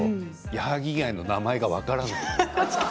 矢作以外の名前が分からない。